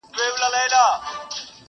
که پنځه کسه راښکيل وي پردي غم کي,